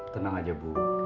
tenang aja bu